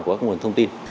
của các nguồn thông tin